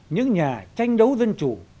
những nhà tranh đấu dân chủ